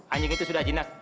anjing itu sudah jinak